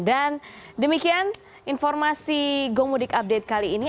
dan demikian informasi gomudik update kali ini